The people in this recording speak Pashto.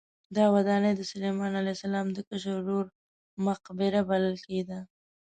دا ودانۍ د سلیمان علیه السلام د کشر ورور مقبره بلل کېده.